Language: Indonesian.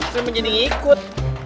saya menjadi ngikut